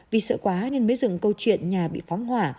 vì sợ quá nên mới dựng câu chuyện nhà bị phóng hỏa